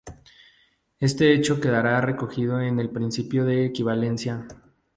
Este hecho queda recogido en el Principio de equivalencia.